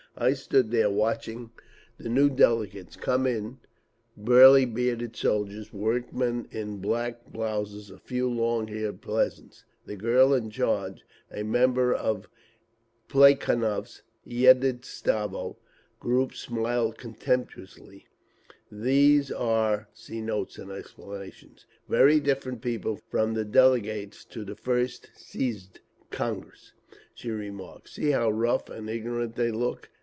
I stood there watching the new delegates come in—burly, bearded soldiers, workmen in black blouses, a few long haired peasants. The girl in charge—a member of Plekhanov's Yedinstvo group—smiled contemptuously. "These are very different people from the delegates to the first Siezd (Congress)," she remarked. "See how rough and ignorant they look!